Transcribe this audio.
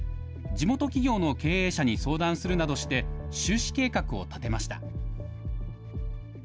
地元企業の経営者に相談するなどして、収支計画を立てました。